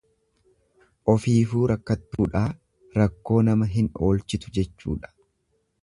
Ofiifuu rakkattuudhaa, rakkoo nama hin oolchitu jechuudha.